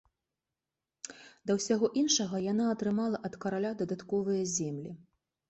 Да ўсяго іншага, яна атрымала ад караля дадатковыя землі.